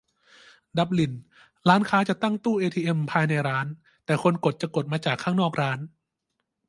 ดับลิน : ร้านค้าจะตั้งตู้เอทีเอ็มภายในร้าน แต่คนกดจะกดมาจากข้างนอกร้าน